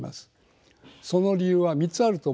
その理由は３つあると思います。